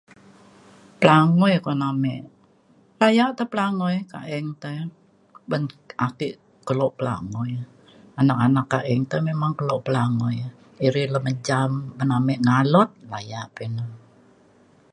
pelangui kun ame ina yak te pelangui kaeng teh. ban ake kelo pelangui anak anak kaeng te memang kelo pelangui. iri re menjam ban ame ngalut laya pa ina.